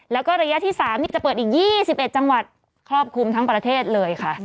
แล้วก็ระยะที่๓จะเปิดอีก๒๑จังหวัดครอบคลุมทั้งประเทศเลยค่ะ